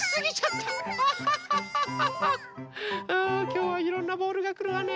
きょうはいろんなボールがくるわね。